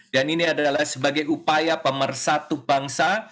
dan ini adalah sebagai upaya pemersatu bangsa